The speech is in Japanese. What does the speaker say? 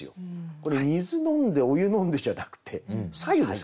これ水飲んでお湯飲んでじゃなくて白湯です。